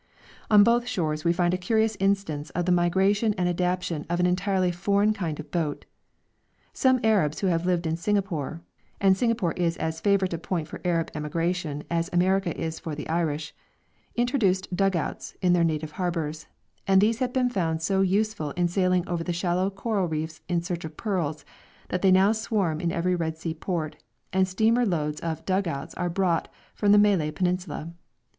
On both shores we find a curious instance of the migration and adaptation of an entirely foreign kind of boat. Some Arabs who have lived in Singapore and Singapore is as favourite a point for Arab emigration as America is for the Irish introduced 'dug outs' in their native harbours, and these have been found so useful in sailing over the shallow coral reefs in search of pearls, that they now swarm in every Red Sea port, and steamer loads of 'dug outs' are brought from the Malay peninsula.